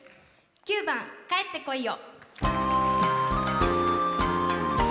９番「帰ってこいよ」。